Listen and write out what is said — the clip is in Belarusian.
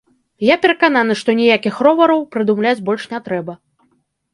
Я перакананы, што ніякіх ровараў прыдумляць больш не трэба.